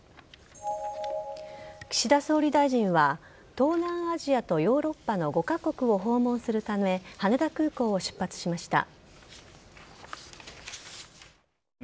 岸田総理大臣は東南アジアとヨーロッパの５カ国を訪問するため羽田空港を出発しました。